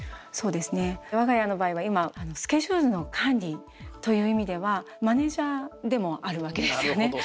そうですね我が家の場合は今スケジュールの管理という意味ではマネージャーでもあるわけですよね。